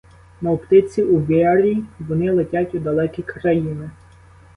Мов птиці у вирій, вони летять у далекі країни.